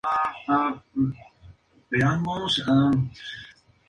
Ya como obispo de Bolonia, encargó la construcción de la iglesia de San Esteban.